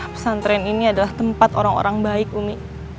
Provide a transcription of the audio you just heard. pesantren ini adalah tempat orang orang baik umi